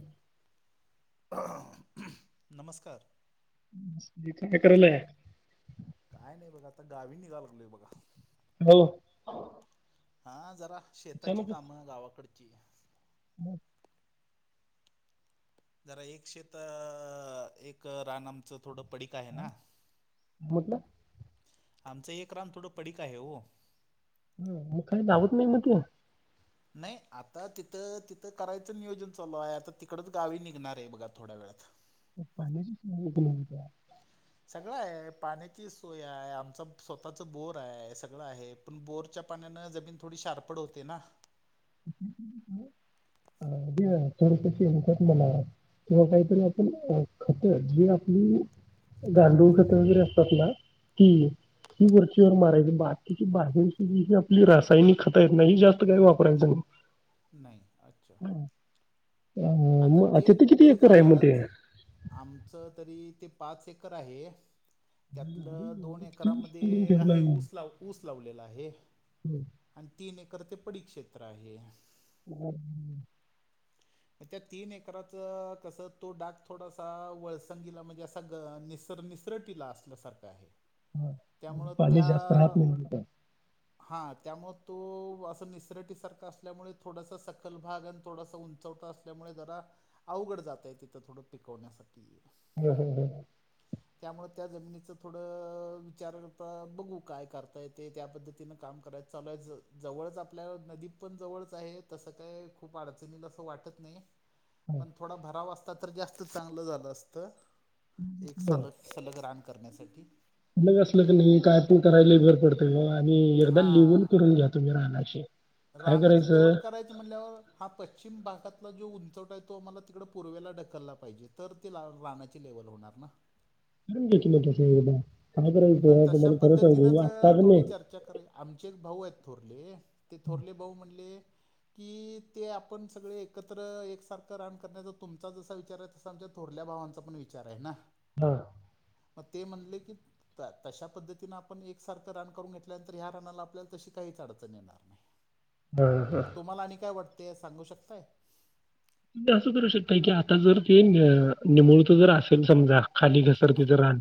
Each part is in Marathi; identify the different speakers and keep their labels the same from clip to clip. Speaker 1: हम्म.
Speaker 2: नमस्कार.
Speaker 1: काय करालाय?
Speaker 2: काय नाही बघा आता गावी नि गालले बघा.
Speaker 1: हो.
Speaker 2: हा जरा शेताची कामं गावाकड. [unintelligible]
Speaker 1: हम्म.
Speaker 2: जरा एक शेत एक रान आमचं थोडं. पडीक आहे
Speaker 1: काय?
Speaker 2: ना.
Speaker 1: म्हटलं
Speaker 2: आमचं हे क्रम थोडं पडीक आहे हो.
Speaker 1: ह मग काही धावत नाही म्हटलं.
Speaker 2: नाही आता तिथं तिथं करायचं नियोजन चालू आहे आता तिकडच गावी निघणार आहे बघा थोड्या वेळात.
Speaker 1: पाची नाही
Speaker 2: सगळं आहे पाण्याची सोय आहे आमच स्वतःच बोर आहे सगळं आहे पण बोरच्या पाण्यानं जमीन थोडी शारपड होते ना.
Speaker 1: डस शमतात मला किं्हा काहीतरी आपण खत जी आपली गांडूळ खत वगैरे असतात ना ती ही वरचीवरर मारायची बाकीची बाजूची जी ही आपली रासायनिक खतं आहेत ना ही जास्त काही वापर. प्राईजन
Speaker 2: नाही अच्छा
Speaker 1: अं,
Speaker 2: आता
Speaker 1: मग
Speaker 2: ते
Speaker 1: अच्छा किती
Speaker 2: ते
Speaker 1: एकर आहे मग ते
Speaker 2: झालंच आमच तरी ते पाच एकर आहे. त्यातलं दोन एकरा
Speaker 1: किती ऊस
Speaker 2: मध्ये
Speaker 1: तोडून ठेवलाय
Speaker 2: आहे
Speaker 1: मग.
Speaker 2: ऊसला ऊस लावलेला आहे.
Speaker 1: हं.
Speaker 2: आणि तीन, एक तर ते पडीक क्षेत्र आहे.
Speaker 1: हम्.
Speaker 2: मग त्या तीन एकराचे कस तो डाग थोडासा वळसंगीला म्हणजे असा निस निसरटीला असल्यासारखा आहे.
Speaker 1: हा
Speaker 2: त्यामुळं
Speaker 1: पाणी जास्त राहत नाही तिथे
Speaker 2: हा त्यामुळे तो असं निसरटीसारखा असल्यामुळे थोडासा सकल भाग आणि थोडासा उं च असल्यामुळे जरा अवघड जातय तिथं थोडं पिकवण्यासाठी
Speaker 1: ह ह ह
Speaker 2: त्यामुळे त्या जमिनीच थोडं विचार करता बघू काय करताय ते त्या पद्धतीन काम करायच चालू आहे जवळच आपल्या नदी पण जवळच आहे तसं काय खूप अडचणीला वाटत नाही
Speaker 1: हं
Speaker 2: पण थोडा भराव अस ता तर जास्त चांगलं झालं असत एक सल सलग रान करण्यासाठी
Speaker 1: ग असलं
Speaker 2: ते
Speaker 1: क नाही काय पण करायला बरं पडतं आणि एकदा
Speaker 2: हा
Speaker 1: लिवून करून घ्या तुम्ही राह [inaudible]
Speaker 2: रानाची लेवल करायच म्हणल्यावर हा पश्चिम भागात जो उंचवाट आहे तो आम्हाला तिकड पूर्वेला ढकलला पाहिजे तर त रानाची लेवल होणार ना
Speaker 1: [inaudible]
Speaker 2: मग
Speaker 1: करायचं
Speaker 2: तशा
Speaker 1: तुम्हाला खरं सांगू
Speaker 2: पद्धतीनच
Speaker 1: आत्ता की नाही
Speaker 2: थोडी चर्चा करी आमचे एक भाऊ आहेत उरले ते थोरले भाऊ म्हणले कि ते आपण सगळे एकत्र एकसारखं रान करण्याचा तुमचा जसा विचार आहे तसा आमच्या थोरल्या भावांचा पण विचार आहे ना
Speaker 1: हा
Speaker 2: मग ते म्हणले की तशा पद्धतीनें आपण एकसारखं रान करून घेतल्यानंतर ह्या रनाला आपल्याला तशी काहीच अडचण येणार नाही
Speaker 1: हा हा
Speaker 2: तुम्हाला आणि काय वाटत ते सांगू शकताय
Speaker 1: तुम्ही असं करू शकता की आता जर ते निमूळत जर असेल समजा खाली
Speaker 2: अ
Speaker 1: घसरतेथं रान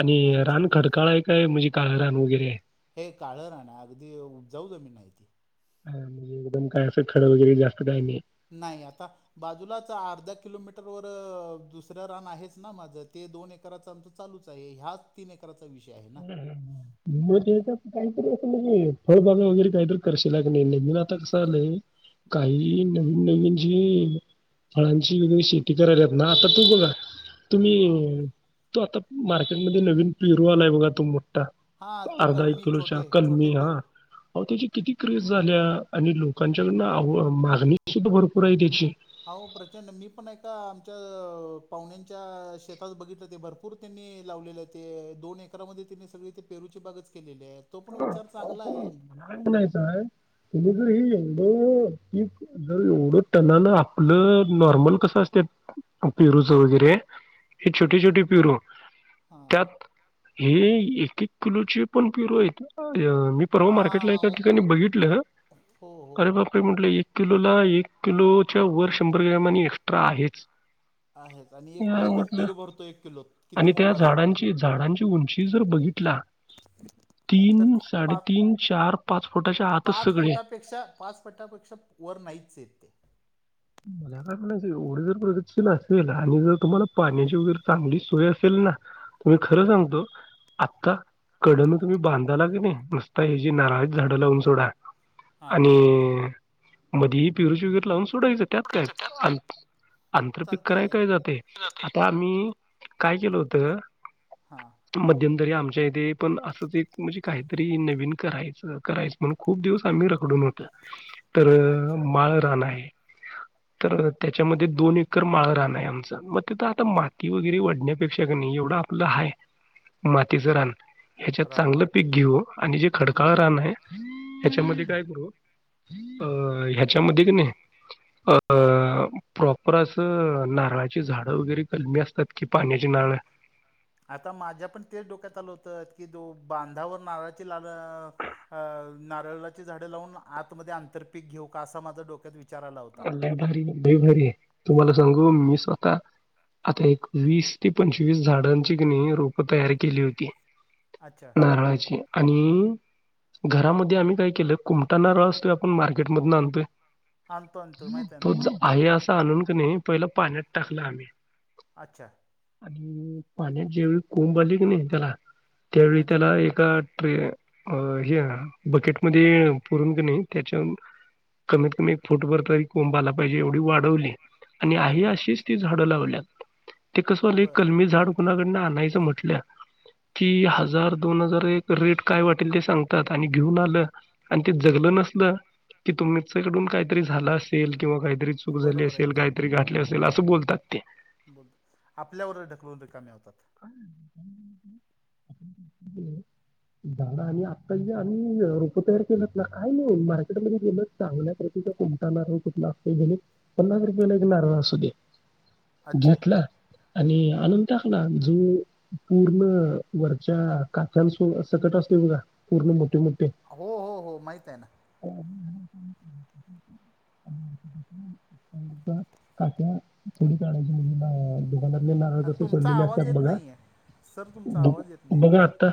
Speaker 1: आणि
Speaker 2: अच्छा
Speaker 1: रान खडकाळाय आहे काय म्हणजे काळ रान वगैरे
Speaker 2: हे काळ रान आहे अगदी उबजाऊ जमीन आहे ती
Speaker 1: ह म्हणजे एकदम काय असं खरं वगैरे जास्त काही नाही
Speaker 2: नाही आता बाजूलाच अर्धा किलोमीटर वर दुसरं रान आहेच ना माझं ते दोन एकराच आमच चालूच आहे ह्याच तीन एकराच
Speaker 1: म काहीतरी फळबाग वगैरे काहीतरी करशिला कणी नाही नवीन आता कसं आलंय काही नवीन नवीन जी फळांची वगैरे शेती करायला ना आता तू बघा
Speaker 2: हां
Speaker 1: तुम्ही तो आता मार्केटमध्येध्ये नवीन पेरू आला आता तुम
Speaker 2: हां तो
Speaker 1: अर्धा एक
Speaker 2: कलमी
Speaker 1: किलो
Speaker 2: छोटे
Speaker 1: कलमी
Speaker 2: छोटे
Speaker 1: हा
Speaker 2: पेरू
Speaker 1: त्याची किती व्र झाल्या आणि लोकांच्याकडून अहो मागणी सुद्धा भरपूर आहे त्याची
Speaker 2: अहो प्रचंड मी पण एका आमच्या पाहुण्याच्या शेतात बघितलं ते भरपूर त्यांनी लावलेले ते दोन एकरमध्ये त्यांनी सगळीती पेरूची बागच केलेली आहे तो पण विचार
Speaker 1: अहो
Speaker 2: चांगला
Speaker 1: पण
Speaker 2: आहे
Speaker 1: मला काय म्हणायचं आहे तुम्ही हे एवढीं जर एवढं टनान आपलं नॉर्मल कसं असतात पेरूच वगैरे हे छोटे
Speaker 2: अच्छा
Speaker 1: छोटे पेरू
Speaker 2: हां हां
Speaker 1: त्यात हे एक किलोची [unintelligible] ह. य मी परवा
Speaker 2: हां
Speaker 1: मार्केटला
Speaker 2: हां
Speaker 1: एका
Speaker 2: हो
Speaker 1: ठिकाणी बघितलं
Speaker 2: हो हो
Speaker 1: अरे बापरे म्हटलं, एक किलो ला एक किलोच्या वर शंभर ग्राम आणि एक्स्ट्रा आहेच.
Speaker 2: आहेच आणि एक
Speaker 1: या
Speaker 2: एकच
Speaker 1: म्हटलं
Speaker 2: पेरू भरतो एक किलोत किती
Speaker 1: आणि त्या
Speaker 2: मोठा असेल पेरू
Speaker 1: झाडांची, झाडांची उंची जर बघितला
Speaker 2: तर
Speaker 1: तीन
Speaker 2: ती [unintelligible]
Speaker 1: साडेतीन चार फुटाच्या आतच
Speaker 2: पाच
Speaker 1: सगळे
Speaker 2: फुटापेक्षा पाच फटापेक्षा वर नाहीच येत ते.
Speaker 1: मला काय म्हणायचं एवढ जर प्रगतशील असेल आणि जर तुम्हाला पाण्याची वगैरे चांगली सोय असेल, ना तुम्ही खरं सांगतो आता कडण तुम्ही बांधाला की नाही नसता हची नाराळीत झाडं लावून सोडा.
Speaker 2: हां
Speaker 1: आणि. मधीही परू [unintelligible] र लावून सोडा त्यात काय अंत
Speaker 2: हो
Speaker 1: आंतरपिक
Speaker 2: चालतंय
Speaker 1: कराय
Speaker 2: की
Speaker 1: काय जाते आता आम्ही काय केलं होतं.
Speaker 2: हां
Speaker 1: मध्यमंतरी आमच्या [unintelligible] पण असंच एक म्हणजे काहीतरी नवीन करायचं करायचं म्हण खूप दिवस आम्ही रखडून होतो. तर
Speaker 2: अच्छा
Speaker 1: माळ रान आहे. तर त्याच्यामध्ये दोन एककर माळा रान आहे आमचा मग [unintelligible] आता माती वगैरे वाढण्या ेक्षक नाही एवढं आपलं हाय मातीच रान. ह्याच्यात
Speaker 2: रान
Speaker 1: चांगलं पीक घेऊ आणि जे खडकाळ
Speaker 2: घेऊ
Speaker 1: रान हाय. ह्याच्यामध्ये काय करू अ ह्याच्यामध्ये क नाही अ प्रॉपर असं नारळाची झाडं वगैरे कलमी असतात, की पाण्याची नारळ.
Speaker 2: आता माझ्या पण तेच डोक्यात आलं होतं, की जो बांधावर नारळाची लाल नारळाची झाडें लावून आतमध्ये आंतर पिक घेऊ का असा माझा डोक्यात विचार आला होता
Speaker 1: ऑनलाइन भारी [unintelligible] भारी आहे. तुम्हाला सांगू मी स्वतः आता एक वीस ते पंचवीस झाडांची कणी रोप तयार केली होती.
Speaker 2: अच्छा
Speaker 1: नारळाची आणि घरामध्ये आम्ही काय, केलं कुमटा नारळ असतोय आपण मार्केटमधून आणतोय.
Speaker 2: आणतो आणतो माहित आहे ना
Speaker 1: तोच आहे अस आणून क नाही, पहिला पाण्यात टाकलं आम्ही.
Speaker 2: अच्छा.
Speaker 1: आणि पाण्यात जेवळी कोंब आले की नाही त्याला. त्यावेळी
Speaker 2: अच्छा
Speaker 1: त्याला एका ट्रे अ हे बकेटमध्ये पुरून कणी त्याच्या कमीत कमी एक फुट भर तरी कोंबाला पाहिजे एवढी वाढवली. आणि आहे
Speaker 2: वाढवली
Speaker 1: अशीच ती झाडं आणि लावल्यात. ते कसं व्यालय
Speaker 2: बर
Speaker 1: कलमी झाड कुणाकड आणायचं म्हटलं की हजार दोन हजार एक रेट काय वाटेल ते सांगतात आणि घेऊन आलं आणि ते जगलं नसल की तुमच्या कडून कायतरी असेल किंवा काहीतरी चूक झाली
Speaker 2: बरोबर आहे
Speaker 1: असेल काहीतरी घातली असे त्याला असं बोलतात.
Speaker 2: बोल आपल्यावरच ढकलून रिकाम्या होतात.
Speaker 1: दादा आम्ही आता जे आम्ही रोपं तयार केलेत ना, काय नाही मार्केटमध्ये गेलं चांगल्या प्रतीचा कोणता नारळ कुठला असतोय का नाही पन्नास रुपयाला एक नारळ असुदे
Speaker 2: अच्छा
Speaker 1: घेतलं आणि आणून टाकला जो पूर्ण वर त्या काका सो सकट असतोय बघा पूर्ण मोठे मोठ
Speaker 2: हो हो हो माहित आहे ना.
Speaker 1: काठ्या थोडी काढायची म्हणजी घरातले नारळ
Speaker 2: हा
Speaker 1: कसे
Speaker 2: तुमचा
Speaker 1: सोललेली
Speaker 2: आवाज
Speaker 1: असतात बघा बघा आत्ता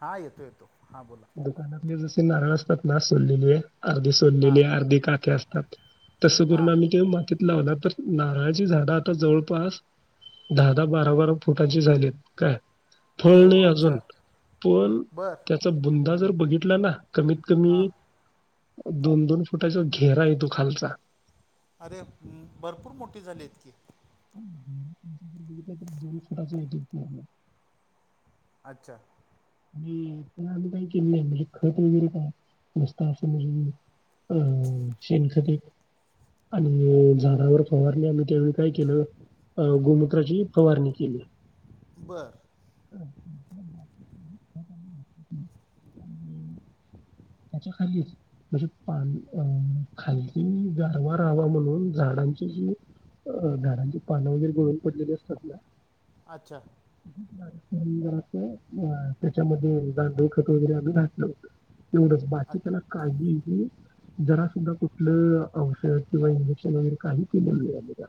Speaker 2: हा येतो येतो हा.
Speaker 1: दुकानात आणि जसं नारळं असतात ना सोललेले अर्धी
Speaker 2: हां
Speaker 1: सोललेली अर्धी काखे असतात, तसं करून
Speaker 2: हां
Speaker 1: आम्ही ते मातीत लावला तर नारळाची झाडं आता जवळपास दहा दहा बारा बारा फुटांची झाली आहेत काय? फळ
Speaker 2: हो
Speaker 1: नाही
Speaker 2: अच्छा
Speaker 1: अजून पण
Speaker 2: बर
Speaker 1: यंदा जर बघितलं ना कमीत कमी
Speaker 2: हां
Speaker 1: दोन दोन फुटाचा घेरा येतो खालचा
Speaker 2: अरे भरपूर मोठी झालीआहेत की.
Speaker 1: [unintelligible]
Speaker 2: अच्छा
Speaker 1: आणि ते आम्ही काही केले नाही म्हणजे खत वगैरे काय मस्त असं म्हणजे [unintelligible] आणि झाडावर फवारणी आम्ही त्यावेळी काय केलं, अ गोमूत्राची फवारणी केली.
Speaker 2: बर
Speaker 1: [unintelligible] [unintelligible] त्याच्या खालीच म्हणजे पान अ खाली गारवा रहावा म्हणून झाडांची जी अ झाडांची पान वगैरे गळून पडलेली असतात ना
Speaker 2: अच्छा
Speaker 1: अ त्याच्यामध्ये गांडूळ खत वगैरे आम्ही घातलं होत. एवढंच
Speaker 2: अ
Speaker 1: बाकी त्याला काही जरा सुद्धा कुठलं औषध किंवा इंजेक्शन वगैरे काही केलेलं नाही आम्ही.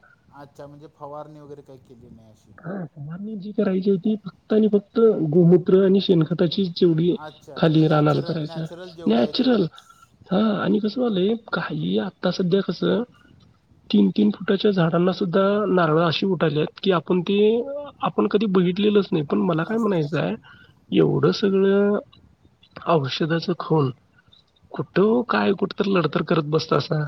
Speaker 2: अच्छा म्हणजे फवारणी वगैरे केली नाही अशी
Speaker 1: [unintelligible] क्रायची होती फक्त आणि फक्त गोमूत्र आणि शेणखताची [inaudible]
Speaker 2: अच्छा म्हणजे
Speaker 1: खाली रानाला
Speaker 2: नॅचरल
Speaker 1: करायच
Speaker 2: नॅचरल जेवढे आहे
Speaker 1: नॅचरल
Speaker 2: तेवढेच
Speaker 1: हा आणि कस कसं व्हायलय काही आता सध्या कस तीन तीन फुटाच्या झाडांना सुद्धा नारळ अशी उठालेत की आप आपण ते आपण कधी बघितलेलच नाही पण मला काय
Speaker 2: नसतील
Speaker 1: म्हणायचंय एवढंच सगळं औषधाच खोल कुठं काय कुठ तर लढतर करत बसतासा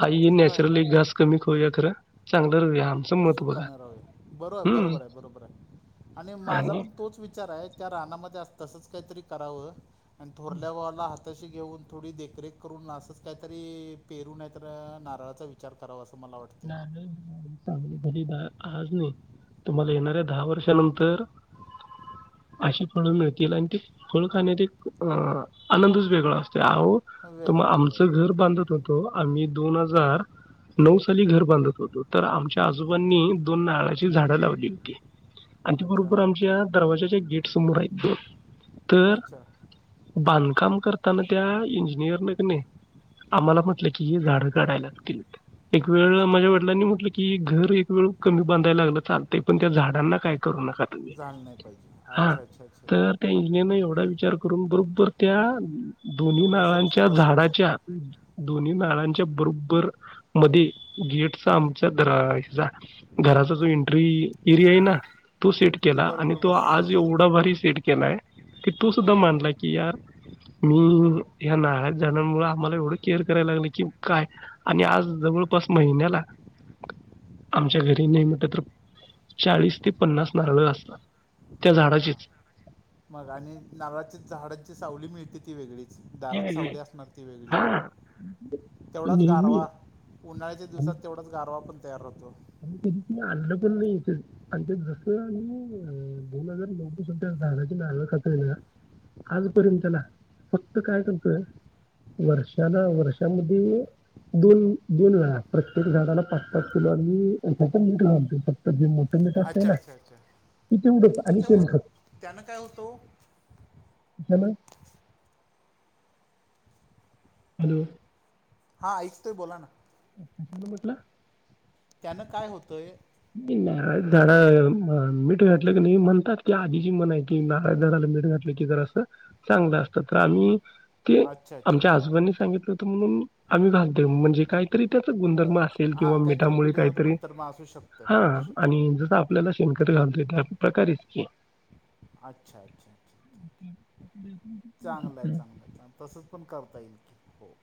Speaker 1: हाय हे
Speaker 2: खरं आहे ना
Speaker 1: नॅचरली घास कमी कर खाऊया खर चांगल खाऊया.
Speaker 2: सुखान राहूया, बरोबर बरोबर बरोबर हाय आणि माझा पण तोच विचार त्या राहनामध्ये तसच काहीतरी कराव. आणि थोरल्या भावाला हात तशी घेऊन थोडी देखरेख करून असंच काहीतरी पेरू नाही तर नारळाचा विचार करावा अस
Speaker 1: [unintelligible] आज नाही तुम्हाला येणाऱ्या दहा वर्षानंतर अशी फळ मिळतील आणि ते फळ खाण्यात एक अ आनंदच वेगळा असतोय. अहो त
Speaker 2: वेगळा आहे
Speaker 1: आमचं
Speaker 2: वेगळा आहे.
Speaker 1: घर बांधत होतो आम्ही दोन हजार नऊ सा खली घर बांधत होतो तर आमच्या आजोबांनी दोन नाळाची झाडं लावली होती. आणि त्या
Speaker 2: अच्छा
Speaker 1: बरोबर आमच्या दरवाज्याच्या गेट समोर हायत दोन. तर
Speaker 2: अच्छा
Speaker 1: बांध काम करताना त्या इंजिनियर न नाही आम्हाला म्हटलं की हे झाड काढाय लागतील. एक वेळ
Speaker 2: अच्छा
Speaker 1: माझ्या वडिलांनी म्हटलं की की घर एक वेळ कमी बांधायला लागलं चालतय पण त्या झाडांना काय करू नका.
Speaker 2: झालं नाही पाहिजे
Speaker 1: हा
Speaker 2: अच्छा अच्छा अच्छा
Speaker 1: तर
Speaker 2: अच्छा
Speaker 1: तेज एवढा वि विचार करून बरोबर त्या दोन्ही
Speaker 2: तेवढ्या सच
Speaker 1: नारळाच्या
Speaker 2: बसवल्या
Speaker 1: झाडाच्या दोन्ही नारळांच्या बरोबर मध्ये गेटचा आमच्याचा घराचा जो एंट्री एरिया आहे ना तो सेट
Speaker 2: ती
Speaker 1: केला आणि
Speaker 2: बरोबर
Speaker 1: तो
Speaker 2: बस
Speaker 1: आज
Speaker 2: सेट
Speaker 1: एवढा
Speaker 2: केली
Speaker 1: भारी सेट केलाय. की तू सुद्धा मानला की या मी ह्या नारळाच्या झाडामुळे आम्हाला एवढं केअर करायला लागलं की काय आणि आज जवळपास महिन्याला आमच्या घरी नाही म्हट तर चाळीस ते पन्नास नारळ असतात त्या
Speaker 2: हां
Speaker 1: झाडाचीच.
Speaker 2: मग आणि नारळाची झाडांची सावली मिळते ती वेगळी. दारात सावली असणार ती वेगळी.
Speaker 1: हा
Speaker 2: तेवढाच
Speaker 1: नेहमी
Speaker 2: गारवा उन्हाळ्याच्या दिवसात तेवढाच गारवा पण तयार होतो.
Speaker 1: आ कधी आणलं पण नाही याच आणि ते जसं आम्ही दोन हजार नऊवीस झाडाचीलं खातला आजपर्यंतला फक्त काय करतय वर्षाला वर्षामध्ये दोन दोन वेळा प्रत्येक झाडाला पाच पाच किलो [unintelligible]
Speaker 2: अच्छा,
Speaker 1: ना
Speaker 2: अच्छा,
Speaker 1: की तेवढंच आणि
Speaker 2: अच्छा,
Speaker 1: शेणखत
Speaker 2: त्यान काय होत ओ?
Speaker 1: हॅलो. हलो
Speaker 2: हा ऐकतोय बोला ना
Speaker 1: अच्छ ण म्हटलं
Speaker 2: त्यानं काय होतंय
Speaker 1: नारळ झाड मीठ घातलं की नाही म्हणतात की आधीची मन आहे कि नारळ झाडाला मीठ घातलं की जरा अस चांगलं असतं तर आम्ही ते
Speaker 2: अच्छा अच्छा
Speaker 1: आमच्या
Speaker 2: अच्छा
Speaker 1: हसबंडने सांगितलं होतं म्हणून आम्ही घालते म्हणजे काय तरी त्याचा गुणधर्म
Speaker 2: बरं
Speaker 1: असेल
Speaker 2: हां
Speaker 1: किंवा
Speaker 2: काहीतरी
Speaker 1: मिठामुळे
Speaker 2: पिढीजात
Speaker 1: काहीतरी
Speaker 2: गुंतर्म असू शकतं
Speaker 1: हा
Speaker 2: असू
Speaker 1: आणि
Speaker 2: शकतं
Speaker 1: जस आपल्याला शे खत घालतोय त्याच प्रकारचे
Speaker 2: अच्छा अच्छा अच्छा
Speaker 1: हम्म.
Speaker 2: चांगले चांगले तसेच. मग करता येईल हो